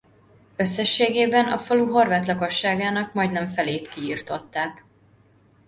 Összességében a falu horvát lakosságának majdnem felét kiirtották.